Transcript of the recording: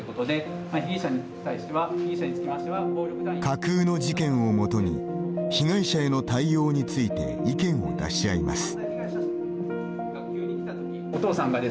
架空の事件をもとに被害者への対応について意見を出し合います。